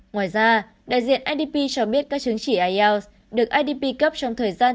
ngoài ra đại diện idp cho biết các chứng chỉ ielts được idp cấp trong thời gian